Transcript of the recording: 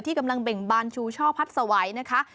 กำลังเบ่งบานชูช่อพัดสวัยนะคะ